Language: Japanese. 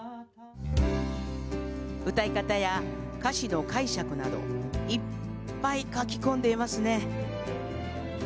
歌い方や歌詞の解釈などいっぱい書き込んでいますね。